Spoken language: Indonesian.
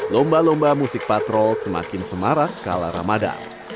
lomba lomba musik patrol semakin semarak kala ramadan